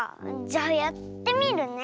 じゃあやってみるね。